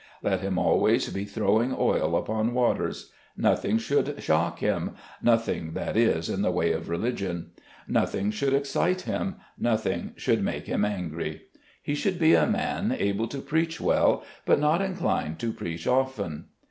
Let him always be throwing oil upon waters. Nothing should shock him nothing, that is, in the way of religion. Nothing should excite him; nothing should make him angry. He should be a man able to preach well, but not inclined to preach often.